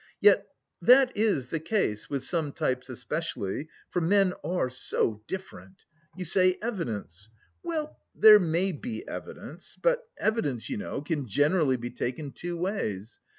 "Yet that is the case, with some types especially, for men are so different. You say 'evidence'. Well, there may be evidence. But evidence, you know, can generally be taken two ways.